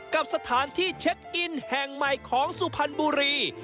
กับสถานที่เช็คอินแห่งใหม่ของสุพรรณบุรี